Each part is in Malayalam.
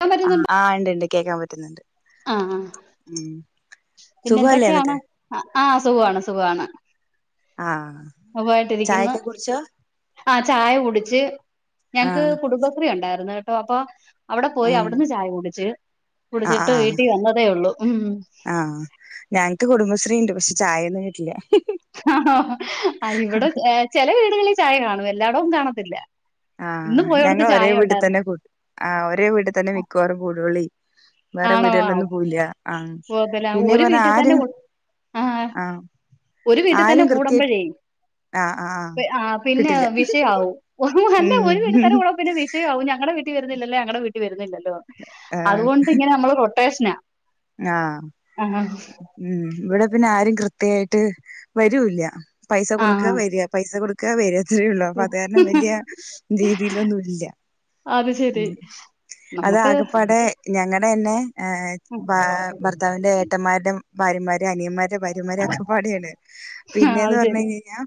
ക്കാൻ പറ്റുന്നുണ്ട് ആ ണ്ട് ണ്ട് കേക്കാൻ പറ്റുന്നുണ്ട് ആഹ് ആഹ് ഉം പിന്നെ സുഖല്ലേ എന്തൊക്കെയാണ് എന്നിട്ട് ആഹ് സുഖാണ് സുഖമാണ് ആഹ് സുഖവായിട്ടിക്കുന്ന് ചായൊക്കെ കുടിച്ചോ ആ ചായ കുടിച്ച് ഞങ്ങക്ക് ആഹ് കുടുംബശ്രീ ഉണ്ടായിരുന്നു കേട്ടോ അപ്പൊ അവിടെ പോയി ഉം അവിടുന്ന് ചായ കുടിച്ച് ആ ആ കുടിച്ചിട്ട് വീട്ടിൽ വന്നതേ ഉള്ളൂ ഉം ആ ഞങ്ങക്ക് കുടുംബശ്രീ ഉണ്ട് പക്ഷെ ചായയൊന്നും കിട്ടില്ല ആഹ് ആ ഇവിടെ ചെല വീടുകളിൽ ചായ കാണും എല്ലാടും കാണത്തില്ല ഇന്ന് ആഹ് ഞങ്ങൾ പോയോടത്ത് ഒരേ ചായ വീട്ടിൽ ഉണ്ടായിരുന്നു തന്നെ കു ആഹ് ഒരേ വീട്ടിൽ തന്നെ മിക്കവാറും കൂടുള്ളേ വേറെ ആണോ വീടുകളിലൊന്നും പോവില്ല ആഹ് പോകത്തില്ല പിന്നെ ഒരു വേറെ വീട്ടിൽ ആര് തന്നെ ആഹ് ഒരു വീട്ടിൽ തന്നെ കൂടുമ്പഴേ ആ ആ ആ വേ ആഹ് പിന്നെ കിട്ടില്ല വിഷയാവും അല്ല ഒരു വീട്ടിൽ തന്നെ ഉം കൂടുമ്പ പിന്നെ വിഷ് ഷയവാകും ഞങ്ങളടെ വീട്ടിൽ വരുന്നില്ലല്ലോ ഞങ്ങളടെ വീട്ടിൽ വരുന്നില്ലല്ലോ ആ അതുകൊണ്ട് ഇങ്ങനെ നമ്മൾ റൊട്ടേഷനാ ആഹ് ആഹ് ഉം ഇവിടെ പിന്നെ ആരും കൃത്യായിട്ട് വരൂല്ല പൈസ കൊടുക്കുക ആഹ് വരിക പൈസ കൊടുക് ഒക്കെ വരുത്രേള്ളൂ അപ്പൊ അത് കാരണം വലിയ രീതിയിലൊന്നും ഇല്ല അത് ശെരി ഉം അത്‌ നമ്മക്ക് ആകെപ്പാടെ ഞങ്ങടെ തന്നെ ബാ ഭർത്താവിന്റെ ഏട്ടന്മാരുടെ ഭാര്യമാരും അനിയന്മാരും ൻ്റെ ഭാര്യമാരൊക്കെ പാടെണ് ആഹ് പിന്നെന്ന് അത് പറഞ്ഞ് ശെരി കഴിഞ്ഞ് കഴിഞ്ഞാ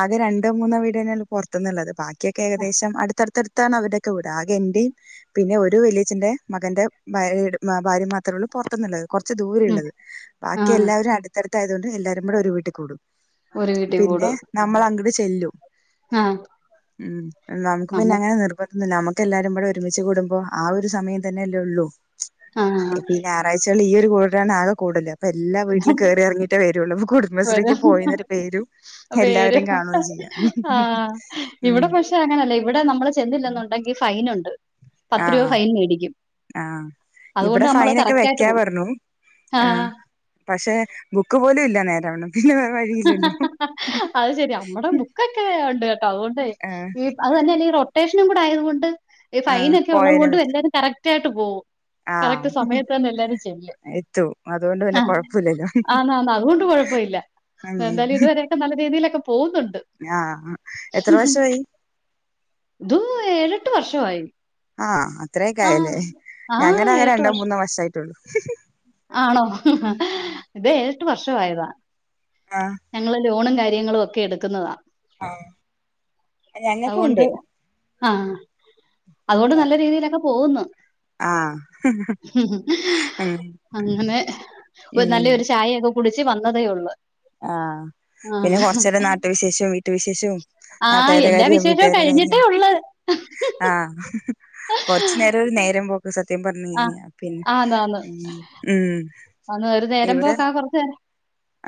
ആകെ രണ്ടോ മൂന്നോ വീട് തന്നെയാണ് പുറത്തുന്നുള്ളത് ബാക്കിയൊക്കെ ഏകദേശം അടുത്തടുത്ത് ത്താണ് അവരുടെ ഒക്കെ വീട് ആകെ എന്റെയും പിന്നെ ഒരു വലിയച്ഛന്റെ മകന്റെ ഭാര് ഭാര്യയും മാത്രേള്ളൂ ത്ത്നുള്ളത് കുറച്ച് ദൂരം ഉം ഉള്ളത് ബാക്കി ആഹ് എല്ലാവരും അടുത്തടുത്തായതുകൊണ്ട് എല്ലാവരും ബാടെ ഒരു വീട്ടിൽ കൂടും ഒരു വീട്ടി പിന്നെ കൂടും നമ്മൾ അങ്ങട് ചെല്ലും ആഹ് ഉം നമുക്ക് പിന്നെ നമ്മ അങ്ങനെ നിർബന്ധ ഒന്നുല്ല നമുക്ക് എല്ലാരും പടെ ഒരുമിച്ച് കൂടുമ്പോ ആ ഒരു സമയം തന്നെ അല്ലേ ഉള്ളൂ ആഹ് ഞായാഴ്ചകളിൽ ഈ ഒരു കൂടൽ ആണ് ആകെ കൂടല് അപ്പ എല്ലാ വീട്ടിലും കേറി ഇറങ്ങീട്ടേ വരുള്ളൂ കുടുംബശ്രീക്ക് വരും പോയിന്നോരു പേരും പേര് എല്ലാവരെയും കാണും ചെയ്യാം ആഹ് ഉം ഇവിടെ പക്ഷെ ത്തേ അങ്ങനല്ല ഇവിടെ നമ്മള് ചെന്നി ഉം. ല്ലന്നുണ്ടെങ്കിൽ ഫൈൻ ഉണ്ട് പത്ത് രൂപ ആഹ് ഫൈൻ മേടിക്കും ആഹ് അതുകൊണ്ട് ഇവിടെ നമ്മള് ഫൈനൊക്കെ കറക്റ്റ് ആയിട്ട് വെക്കാ പോകും പറഞ്ഞു ആഹ് പക്ഷെ ബുക്ക് പോലും ഇല്ല നേരാ വണ്ണം പിന്നെ വേറെ ഹ വഴിയില്ലല്ലോ ഹ ഹ അത് ശെരി അമ്മടെ ബുക്കൊക്കെ ഉണ്ട് കേട്ടോ അതുകൊണ്ട് ആഹ് ഈ അത് തന്നെയല്ല ഈ റൊട്ടേഷനും കൂടെ ആയത് കൊണ്ട് ഈ ആഹ് ഫൈൻ ഒക്കെ ഉള്ളത് പോയേനെ കൊണ്ട് പറ്റി എല്ലാവരും കറക്റ്റ് ആയിട്ട് പോകും ആഹ് കറക്റ്റ് സമയത്ത് തന്ന എല്ലാരും ചെല്ലും എത്തു അതുകൊണ്ട് പിന്നെ ആഹ് കൊഴപ്പല്ലല്ലോ ആന്ന് ആന്ന് അതുകൊണ്ട് കൊഴപ്പ ഇല്ല ഉം എന്തായാലും ഇതുവരെയൊക്കെ നല്ല രീതിയിലൊക്കെ പോവ്ന്നുണ്ട് ആഹ് എത്ര വർഷമായി ഇതോന്നു ഏഴെട്ട് വർഷമായി ആഹ് അത്രയൊക്ക ആ. ആയല്ലേ ആ ഞങ്ങന ആകെ രണ്ടോ വർഷം. മൂന്നോ വർഷായിട്ടുള്ളു ആണോ ഇത് ഏഴ് എട്ട് വർഷം ആയതാ ആഹ് ഞങ്ങൾ ലോണും കാര്യങ്ങളും ഒക്കെ എടുക്കുന്നതാ ആഹ് ഞങ്ങക്കും അതുകൊണ്ട് ഉണ്ട് ആഹ് അതുകൊണ്ട് നല്ല ആഹ് രീതിയിലൊക്കെ പോവുന്ന് ആഹ് ഉം അങ്ങനെ ഒര് ഉം നല്ലൊരു ചായെഒക്കെ കുടിച്ച് വന്നതേള്ളൂ ആഹ് പിന്നെ കൊറച്ച് നേരം നാട്ടു വിശേഷവും വീട്ടു വിശേഷവും ആ നാട്ടുകാരെ എല്ലാ കാര്യം വിശേഷവും വീട്ടുകാര കഴിഞ്ഞിട്ടേ കാര്യം ഉള്ള്. ആഹ് കൊറച്ചു നേരം ഒര് നേരം പോക്ക്‌ സത്യം പറഞ്ഞ് ആ. കഴിഞ്ഞാ പിന്നെ ആന്നാന്ന്. ഉം ഉം അന്ന് ഒരു നേരം ഇവിടെ പോക്കാ കൊറച്ചു നേരം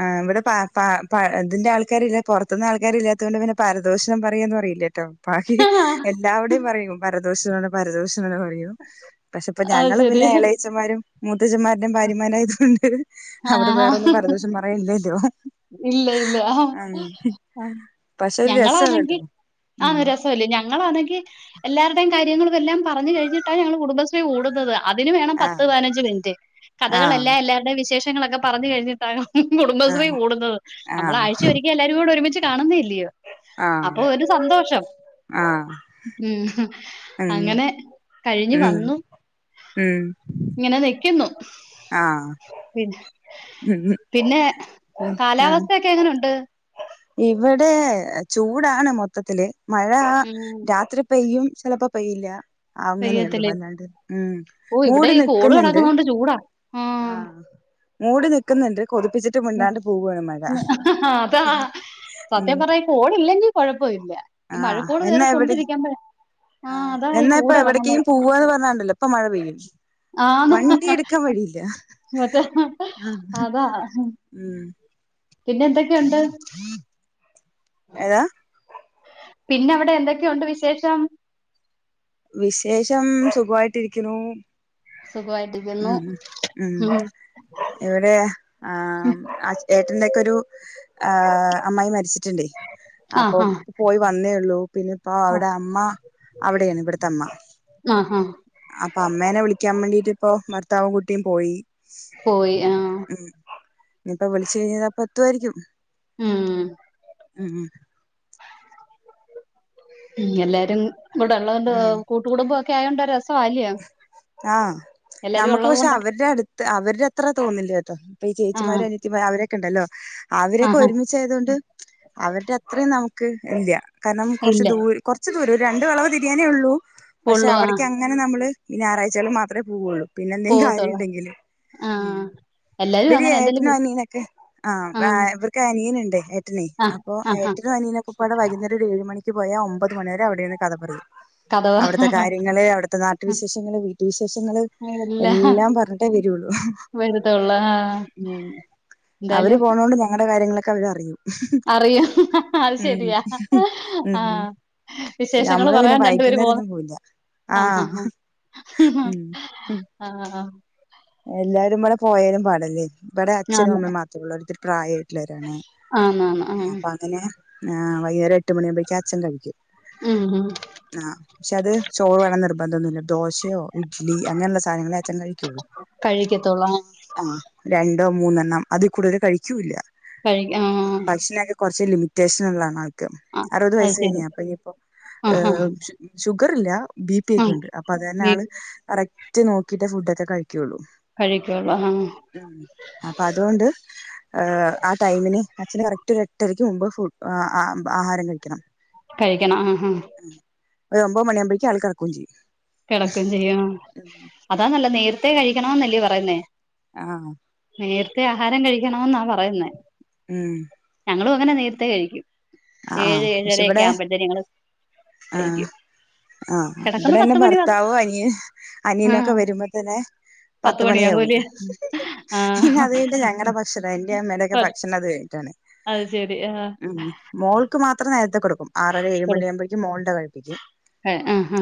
ആഹ് ഇവിടെ പ പ പ ഇതിന്റെ ആൾക്കാരില്ല പൊറത്ത്ന്ന് ആൾക്കാര് ഇല്ലാത്തോണ്ട് പിന്നെ പരദോഷ്ണം പറയാന്ന് പറയില്ലേ ബാക്കി ആ, എല്ലാവിടെയും പറയും പരദോഷണം ആണ് പരദോഷണംആണ് പറയും പക്ഷെ ഇപ്പം അത് ഞങ്ങൾ ശരി. പിന്നെ എളേച്ചന്മാരും മൂത്തച്ഛന്മാ രുടേം ഭാര്യമാരായതോണ്ട് ആ. അവിടെ വേറൊന്നും പരദോഷണം പറയാൻ ഇല്ലല്ലോ ഇല്ല ഇല്ല ആഹ് പക്ഷെ ഒരു രസാണ് കേട്ടോ ഞങ്ങളാണെങ്കിൽ ഉം ആഹ് രസ ത്തെല്ലെ ഞങ്ങളാണെങ്കിൽ എല്ലാര്ടെയും കാര്യങ്ങളും എല്ലാം പറഞ്ഞു കഴിഞ്ഞിട്ടാ ഞങ്ങൾ കുടുംബശ്രീ കൂടുന്നത് അതിന് വേണം പത്ത് ആഹ് പതിനഞ്ച് മിനിറ്റ് ആഹ് കഥകളെല്ലാം എല്ലാര്ടെ വിശേഷങ്ങളൊക്കെ പറഞ്ഞു കഴിഞ്ഞ് കുടുംബശ്രീ ആഹ് കൂടുന്നത് നമ്മള് ആഹ് ആഴ്ച്ചെ ഒരിക്ക എല്ലാരൂടെ ഒരുമിച്ച് കാണുന്നെ അല്ലിയോ അപ്പൊ ആഹ് ഒരു സന്തോഷം ആഹ് ഉം ഉം അങ്ങനെ കഴിഞ്ഞു ഉം വന്നു ഉം ഇങ്ങനെ നിക്കുന്നു ആഹ് പി ഉം പിന്നെ ആഹ് കാലാവസ്ഥയൊക്കെ എങ്ങനുണ്ട്? ഇവിടെ ചൂടാണ് മൊത്തത്തില് മഴ ഉം. രാത്രി പെയ്യും ചെലപ്പോ പെയ്യില്ല അങ്ങനെ ഒള്ളൂ പെയ്യത്തില്ലേ? അല്ലാണ്ട് ഉം ഓഹ് ഇവിടെ മൂടി ഈ കോള് നിക്ക്ന്ന്ണ്ട് കിടക്കുന്നോണ്ട് ചൂടാ. ആഹ് മൂടി നിക്ക്‌ന്ന്ണ്ട് കൊതിപ്പിച്ചിട്ട് മിണ്ടാണ്ട് പോവാണ് മഴ അതാ. ഉം സത്യം പറഞ്ഞാ ഈ കോളില്ലെങ്കിൽ കൊഴപ്പൊ ഇല്ല ഈ ആഹ് മഴക്കോള് എന്നാ കേറി എവിടെ കൊണ്ടിരിക്കമ്പെ ആഹ് എന്നാ ഇപ്പം എവിടക്കേം പോവാന്ന് പറഞ്ഞാണ്ടല്ലോ ഇപ്പം മഴ പെയ്യും ആന്ന് വണ്ടി ഇടുക്കാൻ വഴിയില്ല മറ്റേ ആഹ് അതാ ഉം പിന്നെ എന്തൊക്കെയുണ്ട് ഏതാ പിന്നെ അവിടെ എന്തൊക്കെയുണ്ട് വിശേഷം വിശേഷം സുഖവായിട്ടിരിക്കുന്നു സുഖമായിട്ട് ഉം ഉം എവ്ടെയാ ആഹ് ആ ഏട്ടന്റെ ഒക്കെ ഒരു ആഹ് അമ്മായി മരിച്ചിട്ട്ണ്ടേ ആ ആ അപ്പം പോയി വന്നേള്ളൂ പിന്നെ ഇപ്പ അവിടെ അമ്മ അവിടെയാണ് ഇവിട്ത്തെ അമ്മ ആഹ ആഹ് അപ്പൊ അമ്മേനെ വിളിക്കാൻ വേണ്ടീട്ട് ഇപ്പോ ഭർത്താവും കുട്ടിം പോയി പോയി ആഹ് ഇനി ഇപ്പോ വിളുച്ചു കഴിഞ്ഞാ ഇതാ ഇപ്പ എത്തുവായിരിക്കും ഉം ഉം ഉം എല്ലാരും ഇവ്ടെ ഉള്ളതോണ്ട് ഉം കൂട്ടുകുടുംബം ഒക്കെ ആയോണ്ട്‌ ഒര് രസ് ആഹ് എല്ലാരും നമുക്ക് ഉള്ളത് പക്ഷേ കൊണ്ടൊക്കെ അവരുടെ അടുത്ത് അവരുടെ അത്ര തോന്നില്ല്യട്ടോ ഇപ്പോ ഈ ആ ചേച്ചിമാരും അ നിയത്തിമാര് അവരേ ക്കെണ്ടല്ലോ ആ അവരൊക്കെ ആ ഒരുമിച്ചായത് കൊണ്ട് അവരുടെ അത്രയും നമുക്ക് ഇല്ല കാരണം കൊറച്ച് ഇല്ല ദൂ കൊറച്ച് ദൂരം രണ്ട് വളവ് തിരിയാനേ ഉള്ളൂ പക്ഷേ ഉള്ളൂ ആ അവിടേക്ക്‌ അങ്ങനെ നമ്മ ൾ പിന്നെ ഞായറാഴ്ച്ചെൽ മാത്രെ പൂവുള്ളൂ പിന്നെ എന്തേലും പോവത്തുള്ളൂ കാര്യണ്ടെങ്കില് ആ ഉം എല്ലാരും ഇവര് അങ്ങനെ എന്തെലും ഏട്ടനോ അനിയനൊക്കെ ആ ആഹ് ഇവർക്ക് അനിയെനുണ്ട് ഏട്ടനെ ആ പ്പൊ ആ ആ ഏട്ടനും അനിയനും ഒക്കപ്പാടെ വൈകുന്നേ രത്തൊരു ഏഴ് മണിക്ക് പോയാ ഒമ്പത് മണി വരെ അവിടെ ഇര്ന്ന് കഥ പറയും കഥ പറ അവിട്ത്തെ കാര്യങ്ങള് അവിട്ത്തെ ന ട്ട് വിശേഷങ്ങള് വീട്ട് വിശേഷങ്ങള് എല്ലാം പറഞ്ഞിട്ടേ വെരുള്ളു വരത്തുള്ളൂ ആ ഉം എന്തായാലും അണ്ട് ഞങ്ങടെ കാര്യങ്ങളൊക്കെ അവര് അറിയും അറിയാം അത് ഉം ശെരിയാ ഉം ആഹ് വി നമ്മള് പിന്നെ വൈന്നേരൊന്നും പോയില്ല ആഹ് ഉം ആഹ് ആഹ് എല്ലാരും ഇമ്മടെ [unintelligible] ഇവടെ അച്ഛനും ആന്ന് അമ്മയും മാത്രള്ളു അവര് ഒത്തിരി പ്രായായിട്ടോള്ളവരാണ് ആന്നാന്ന് ആഹ് അപ്പം അങ്ങനെ വൈന്നേരം എട്ട്ണിയാമ്പോഴേക്കും അച്ഛൻ കഴിക്കും ഉം ഉം ആഹ് പക്ഷെ അത് ചോറ് വേണോ ന്ന് നിർബന്ധ ഒന്നും ഇല്ല ദോശയോ ഇഡ്ലി അങ്ങനെള്ള സാധനങ്ങളെ അച്ചൻ കഴിക്കോള്ളൂ കഴിക്കത്തൊള്ള് ആഹ് ആഹ് രണ്ടോ മൂന്നെണ്ണം അതി കൂടേല് കഴിക്കൂല്ല്യാ കഴി ആഹ് ഭക്ഷണേക്കെ കൊറച്ച് ലിമിറ്റേഷൻ ഒള്ള ആണ് ആൾക്ക് ആഹ് അറ്പത് അത് വയസ്സ് ശരി കയിഞ്ഞ്യാ അപ്പം ഇനി ഇപ്പൊ യെ ആഹ് ആഹ് ഷുഗറില്ലാ ബിപിക്കെ ആഹ് ഒണ്ട് അപ്പൊ അത് അന്നെ വീ ആള് കറക്റ്റ് നോക്കിയിട്ടേ ഫുഡ് ഒക്കെ കഴിക്കോ ള്ളൂ കഴിക്കോള്ളൂ ആഹ് ഉം അപ്പൊ അതോണ്ട് ഹ് ആ ടൈമിന് അച്ഛന് കറക്റ്റ് ഒര് എട്ടരയ്ക്ക് മുമ്പ് ഫു ആഹാരം കഴി ക്കണം കഴിക്കണം ആഹ് ഉം ഒര് ഒമ്പത് മണി ആമ്പോഴേക്ക് ആള്കെട ക്കോം ചെയ്യും കേടക്കേം ചെയ്യാം അതാനല്ലത് നേരത്തെ കഴിക്കണന്നല്ലേ പറയ്ന്നെ ആഹ് നേരത്തെ ആഹാരം കഴിക്കണന്നാ പറയ്ന്നെ ഉം ഞങ്ങളും അങ്ങനെ നേരത്തേ കഴി ക്കും ആഹ് ആഹ് പക്ഷേ ഇവടെ ആഹ് കഴിക്കും ആഹ് കിടക്കുന്നത് ഇവടെയെന്നാ പത്ത് മണി ഭർത്താവും അനിയ അനിയനൊക്കെ ആഹ് വര്മ്പൊ തന്നെ പത്ത് മണിയാവും പിന്നെ അത് ആഹ് കഴിഞ്ഞിട്ട് ഞങ്ങടെ ബക്ഷണം എന്റെ അമ്മേയുടെക്കെ ബക്ഷണം അത്കഴിഞ്ഞിട്ടാണ് അത് ശെരി ആഹ് ഉം മോൾക്ക് മാത്രം നേരത്തെ കൊട്ക്കും ആറരാ ഏഴ് മണി ആമ്പഴേക്കും മോള്ടെ [unintelligible] കൊടുക്കാൻ ആഹ്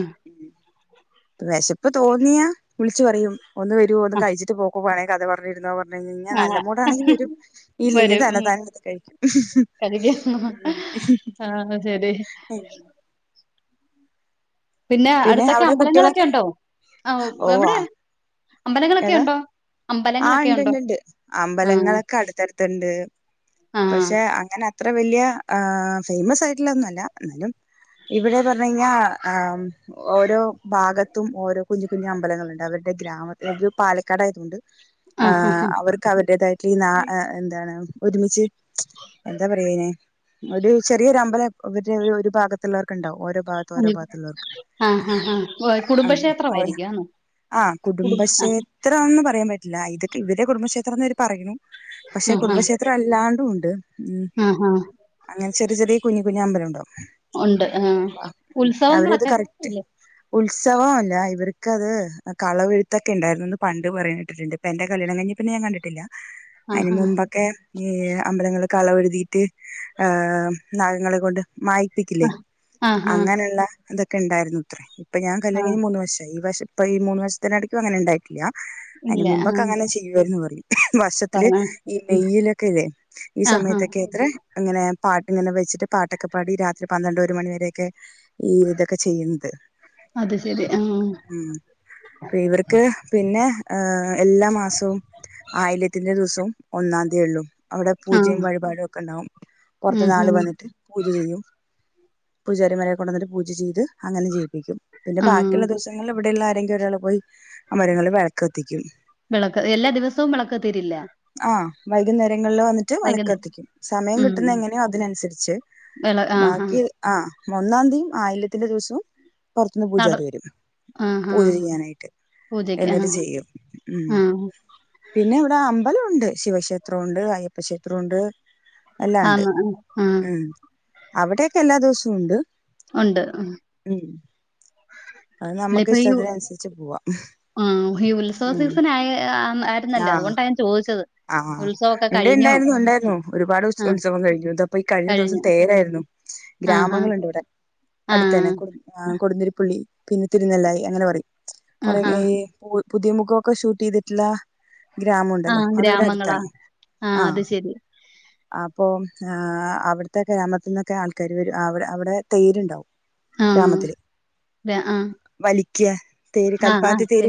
വെശപ്പ് തോന്നിയാ വിളിച്ച് പറയും ഒന്ന് വെരുവോ ഒന്ന് ആഹ് കഴിച്ചിട്ട് പോകോ വേണെങ്കി കഥ പറഞ്ഞിര്ന്നോ പറ നല്ല ആഹ് മൂടാണെങ്കി വരും ഇല്ലെങ്കി വരും. ഉം തന്നത്താനെ എട്ത്ത് കഴിക്കും ആഹ് എന്നാ ശെരി പിന്നെ അട്ത്തൊക്കെ അവിടെ അമ്പലങ്ങളൊക്കെ കുട്ടികളൊക്കെ ഉണ്ടൊ ആഹ് ഓ എവടെ ആ അമ്പലങ്ങളൊക്കെ ഉണ്ടൊ ആഹ് ഇണ്ട് ഇണ്ട് ഇണ്ട് ആഹ് അമ്പലങ്ങളൊക്കെ അട്ത്തട്ത്തു ണ്ട് ആഹ് പക്ഷേ അങ്ങനെ അത്ര വല്ല്യ ഫേമസ് ആയിട്ടു ള്ളൊന്നു അല്ല എന്നാലും ഇവടെ പറഞ്ഞ് കഴിഞ്ഞാ ആഹ് ഓരോ ഭാഗ ത്തും ഓരോ കുഞ്ഞു കുഞ്ഞ് അമ്പലങ്ങള് ഇണ്ട് അവരുടെ ഗ്രാമത്തി പാലക്കാട് ആയതോണ്ട് ആഹ് അവർക്ക് അവരുടേ തായിട്ട് ഈ [unintelligible] എന്താ പറയാ അത് ഒര് ചെറിയൊരു അമ്പല അവടെ ഒര് ഭാഗത്തുള്ളോർ ഇണ്ടാവും ഓരോ ഭാഗ ഉം ആഹ് ആഹ് കുടുംബക്ഷേത്രം ആഹ് ആയിരിക്കും ആന്നോ ആഹ് കുടും കുടുംബക്ഷേത്രം എന്ന് പറയാൻ പറ്റില്ല ഇതൊക്കെ ഇവടെ കുടുംബക്ഷേത്രം എന്ന് ഇവര് പറയ്ണു പശേ ആഹ് ആഹ് കുടുംബക്ഷേത്രം അല്ലാണ്ടും ഉണ്ട് ഉം. ആഹ് ആഹ് അങ്ങനെ ചെറിയ ചെറിയ കുഞ്ഞ് കുഞ്ഞ് അമ്പലണ്ടാവും ഉണ്ട് ആഹ് ഉത്സവങ്ങളൊക്കെ അല്ലേ ഉത്സവം അല്ല ഇവർക്ക് അത് കളവെഴുത്തൊക്കെ ഇണ്ടാരുന്നുന്ന് പണ്ട് പറയണേ കേട്ട്ട്ട്ണ്ട് അപ്പ എന്റെ കല്യാണം കഴിഞ്ഞ് പിന്നെ ഞാൻ കണ്ടിട്ടില്ല ആഹ് അതിന് മുമ്പൊക്കെ ഈ അമ്പലങ്ങളില് കളവെഴുതിയിട്ട് ആഹ് നാഗങ്ങളെ കൊണ്ട് മായി പ്പിക്കില്ലേ ആഹ് ആഹ് അങ്ങനെയുള്ള ഇതൊക്കെ ഇണ്ടായിരുന്നുത്രേ ഇപ്പൊ ഞാൻ കല്ല്യാണം ആഹ് കഴിഞ്ഞ് മൂന്ന് വർഷായി ഈ വർ ഇപ്പൊ ഈ മൂന്ന് വർഷത്തിന് ഇടക് അങ്ങനെ ഉണ്ടായിട്ടില്ല അതിന് ഇല്ല മുമ്പ് ആഹ് ചെയ്യുവായിരുന്നു പറയും വർഷത്തില് പറഞ്ഞ ഈ മെയ്യിലൊക്കെല്ലേ ഈ ആഹ് സമയത്തൊക്കെത്രേ ഇങ്ങനെ പാട്ട് ഇങ്ങനെ വെച്ച്ട്ട് പാട്ടൊക്കെ പാടി രാത്രി പന്ത്രണ്ട് ഒരു മണിവരേയൊക്കെ ഈ ഇതൊക്കെ ചെയ്യ്ണത് ആഹ് ആഹ് ഉം ഇവർക്ക് പിന്നെ ഹ് എല്ലാ മാസവും ആയില്യത്തിന്റെ ദിവസവും ഒന്നാം തി ഒള്ളു അവിടെ പൂജയും ആഹ് വഴിപാടും ഒക്കെണ്ടാവും ഉം പൊറത്ത്ന്ന് ആള് ഉം വന്നിട്ട് പൂജ ചെയ്യും പൂജാരിമാരെ കൊണ്ടന്ന്ട്ട് പൂജ ചെയ്ത് അങ്ങനെ ചെയ്യും പിന്നെ ആഹ് ബാക്കിയുള്ള ദിവസങ്ങളില് ഇവിടെയുള്ള ആരെങ്കിലും ഒരാൾ പോയി ആ മരങ്ങളിൽ വിളക് കത്തിക്കും വിളക്ക് എല്ലാ ദിവസവും വിളക്ക് കതീരില്ല ആഹ് വൈകുന്നേരങ്ങളിൽ വന്നിട്ട് ട്ട് വൈകുന്നേ വളക്കത്തിക്കും സമയം ഉം കിട്ടുന്ന എങ്ങനെ അതിനനുസരിച്ച് എള ആഹ് ബാക്കി ആഹ് ഒന്നാംതി ആയില്ല്യത്തിന്റെ ദിവസവും പൊറത്തുന്ന് നട പൂജാരി വരും ആഹ് പൂജ ആഹ് ചെയ്യാനായിട്ട് പൂജക്ക് ആഹ് എന്നിട്ട് ചെയ്യും ഉം ആഹ് പിന്നെ ഇവിടെ അമ്പലഉണ്ട് ശിവക്ഷേത്ര ഉണ്ട് അയ്യപ്പ ക്ഷേത്രണ്ട് എല്ലാണ്ട് ആന്ന് ആഹ് ഉം അവിടെക്കെ എല്ലാ ദിവസവും ഉണ്ട് ഉണ്ട് ഉം ഉം അത് നമുക്ക് അല്ലപ്പയു ഇഷ്ടത്തിനനുസരിച്ച് പോവാം ആഹ് ഈ ഉത്സവ ഉം സീസൻ ആയ [unintelligible] ഇന്നല്ലോ ആ അതുകൊണ്ടാ ഞാൻ ചോദിച്ചത് ആഹ് ഉത്സവൊക്കെ ഇണ്ട് കഴിഞ്ഞോ ഇണ്ടായിരുന്നു ഇണ്ടായിരുന്നു ഒരുപാട് ആഹ് ഉത്സവം കഴിഞ്ഞു ഇത് ഇപ്പൊ ഈ കഴിഞ്ഞ ദിവസം കഴിഞ്ഞു തേരായിരുന്നു ആഹ് ആഹ് ഗ്രാമങ്ങള്ണ്ട് ഇവിടെ അടുത്ത് ആഹ് തന്നെ കുടു ആ കൊടുതിരിപ്പള്ളി പിന്നെ തിരുനെല്ലായി അങ്ങനെ പറയും കുറെ ആഹാ ഈ പുതിയ മുഖമൊക്കെ ഷൂട്ട് ചെയ്തിട്ടുള്ള ഗ്രാമണ്ടല്ലോ ആഹ് അത് ഇവിടെ ഗ്രാമങ്ങളാ അടുത്താണ് ആഹ് അത് ശരി അപ്പോ ആ അവിടുത്തെ ഗ്രാമത്തിൽ നിന്നൊക്കെ ആൾക്കാര് വരും അവിടെ അവിടെ തേരുണ്ടാവും ആഹ് ഗ്രാമത്തില് ആഹ് വലിക്ക്യാ ആഹ് ഹാ തേ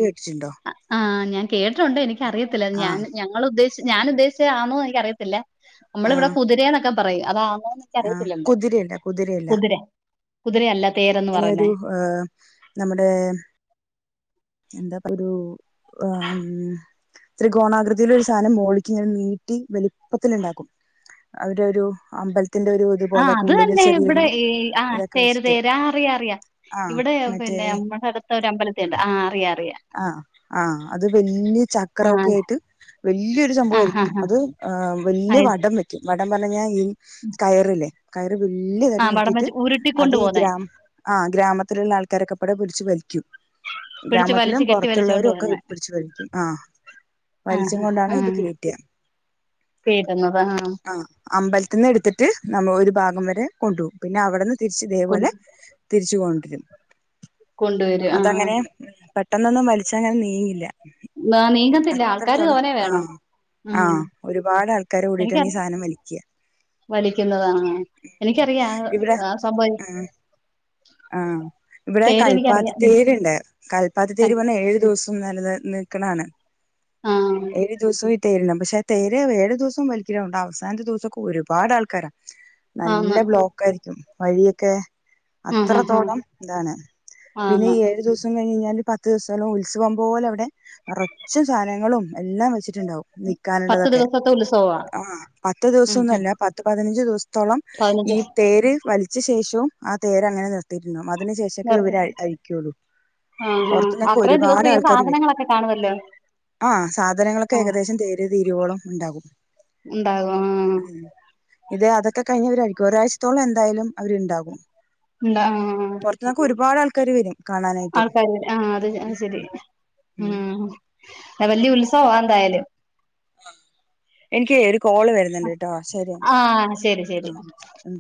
ആഹ് ഞാൻ കേട്ടിട്ടുണ്ട് എനിക് അറിയത്തില്ല ഞാൻ ആഹ് ഞാൻ ഇങ്ങള് ഉദ്ദേശി ഞാൻ ഉദ്ദേശിച്ചത് ആണോ എനിക്ക് അറിയത്തില്ല നമ്മളിവിടെ ആഹ് കുതിരയന്നൊക്കെ പറയും അതാണോന്ന് ആഹ് ക്കറിയത്തില്ലല്ലേ കുതിരയല്ല കുതിരയല്ല കുതിര കുതിരയല്ല തേരന്ന് പറയുന്നേ ഹോ നമ്മുടെ എന്താപ്പ ഒരു ആഹ് ഉം. ത്രികോണാകൃതിയിൽ ഒരു സാധനം മോളിക്ക് ഇങ്ങനെ നീട്ടി വലുപ്പത്തില്ണ്ടാക്കും അവിടെ ഒരു അമ്പലത്തിന്റെ ഒരു ആഹ് ഇതുപോലെയൊക്കെ അത് ഉള്ളില് തന്നെ ചെറിയൊരു ഇവിടെ ഈ ആഹ് ഇതൊക്കെ തേര് വെച്ചിട്ട് തേര് അറിയാ അറിയാ ആഹ് ഇവിടെ മറ്റേ പിന്നെ നമ്മുടെ അടുത്ത ഒരു അമ്പലത്തിലുണ്ട് ആഹ് അറിയ അറിയാ ആഹ് ആഹ് അത് വല്ല്യ ആ ചക്രഒക്കെ ആയിട്ട് വല്ല്യയൊരു ആഹ് ആഹ് സംഭവമായിരിക്കും അത് വല്ല്യ ആഹ് വടം വെ ക്കും വടം പറഞ്ഞാ ഈ കയറില്ലേ കയറ് വല്ല്യ തര ആ വടം നീട്ടിട്ട് വെച്ച് അത് ഉരുട്ടിക്കൊണ്ട് ഈ പോന്നെ ഗ്രാമ് ആഹ് ഗ്രാമത്തിലുള്ള ആൾക്കാരെ ഒകെപാടെ പിടിച്ചു വലിക്കും പിടിച്ച് ഗ്രാമത്തി ത്തിലും വലിച്ച് കെട്ടി വലിച്ചോണ്ട് പൊറത്തുള്ളവരും ഒക്കെ വരുന്നെ ഇത് പ്പിടിച്ച് വലിക്കും ആ വലിച്ചു ആഹ് കൊണ്ടാണ് ഇത് കയറ്റാ പേടുന്നത് ആഹ് അമ്പലത്തിന്ന് എടുത്തിട്ട് നമ്മൾ ഒരു ഭാഗം വരെ കൊണ്ടുപോകും പിന്നെ അവിടെന്ന് തിരിച്ച് കൊ ഇതേപോലെ തിരിച്ചു കൊണ്ടുരും. കൊണ്ടുവരും ആഹ് ആഹ് - പെട്ടെന്നൊന്നും വലിച്ചാ ഞാൻ നീങ്ങില്ല- നാനീ- അത്രത്തോളം ആഹ് ഉം ആഹ് ഒരുപാട് ആൾക്കാര് കൂടിട്ടാണ് ഈ സാധനം വലിക്ക വലിക്കുന്നതാ ആഹ് എനിക്കറിയാം ഇവിടെ ആഹ് സംഭവ- ആഹ് ഇവടെ തേരെനിക്കറിയാം കൽപ്പാത്തിത്തേര്ണ്ട് കൽപ്പാത്തിത്തേര് പറഞ്ഞാ ഏഴു ദിവസം നെലനിൽ നിക്ക്ണാണ് ആഹ് ഏഴ് ദിവസവും- തേര്ണ്ടാവും പക്ഷെ ആഹ് തേര് ഏഴ് ദിവസവും വലിക്കലുണ്ടാവും അവസാനത്തെ ദിവസൊക്കെ ഒരുപാട് ആൾക്കാരാ നല്ല ആന്ന് ബ്ലോക്ക് ആയിരിക്കും വഴിയൊക്കെ- ആഹ് ആഹ് ആഹ് അത്രത്തോളം ഇതാണ് പിന്നെ ആന്ന് ഈ ഏഴു ദിവസം കഴിഞ്ഞ് കഴിഞ്ഞാല് പ പത്ത് സ്സം നല്ല ഉത്സവം പോലെ അവിടെ നെറച്ചും സാധനങ്ങളും എല്ലാം വെച്ചിട്ടുണ്ടാവും- വിക്കാനുള്ളതൊക്കെ- ന്താ ഉത്സവാ- ആഹ് പത്ത് ഉം ഉം ദിവസൊന്നുഅല്ല പത്ത് പതിനഞ്ച് ദിവസത്തോളം ഈ പതിനഞ്ച് തേര് വലിച്ചശേഷവും ആഹ് തേര അങ്ങനെ നിർ [unintelligible] അതിന് ശേഷൊക്കെ ഇവര് അയിക്കൊള്ളൂ പുറത്ത്ന്നൊക്കെ ഒരുപാട് ആൾക്കാര് വരും. കാണുവല്ലോ- ആഹ് സാധനങ്ങളൊക്കെ ഏകദേശം തേര് തീരുവോളം ഇണ്ടാകും ഉണ്ടാകും ആഹ് ഉം. ഇത് അതൊക്കെ കഴിഞ്ഞ് ഇവര് അയിരിക്കും ഒരാഴ്ചത്തോളം എന്തായാലും അവര് ഇണ്ടാകും ഉണ്ട ആഹ് പൊർ ഇതിന്നൊക്കെ ഒരുപാട് ആൾക്കാര് വരും കാണാനായിട്ട് ആൾക്കാര് ആഹ് അത് ഉം ശരി ഉം. അത് വലിയ ഉത്സവാ എന്തായാലും- എനിക്ക് ഒരു കോള് വരുന്ന് ആഹ് ശെരി ശെരി- ശരി. ഉം